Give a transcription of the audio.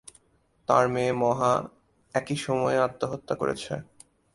তার মেয়ে মহা একই সময়ে আত্মহত্যা করেছে।